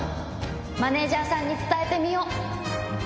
マネジャーさんに伝えてみよう。